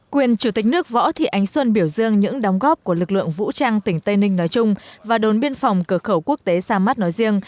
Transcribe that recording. quyền chủ tịch nước võ thị ánh xuân biểu dương những đóng góp của lực lượng vũ trang tỉnh tây ninh nói chung và đồn biên phòng cửa khẩu quốc tế sa mát nói riêng